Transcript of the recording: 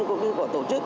cũng như của tổ chức